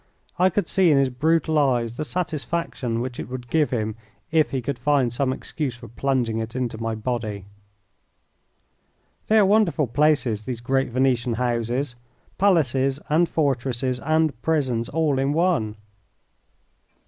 I could see in his brutal eyes the satisfaction which it would give him if he could find some excuse for plunging it into my body. They are wonderful places, these great Venetian houses, palaces, and fortresses, and prisons all in one.